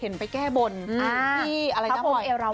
ง่ายมาก